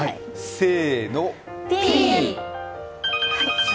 せーの。